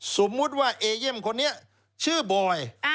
สมมุติว่าเอเย่มคนนี้ชื่อบอย